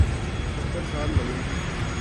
ستر سال لگے ہیں۔